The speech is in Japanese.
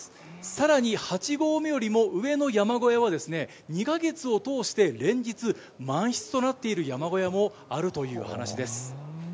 さらに、８合目よりも上の山小屋は、２か月を通して連日、満室となっている山小屋もあるという話です。